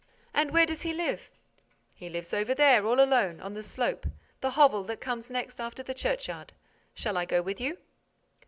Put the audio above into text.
'" "And where does he live?" "He lives over there, all alone—on the slope—the hovel that comes next after the churchyard.—Shall I go with you?"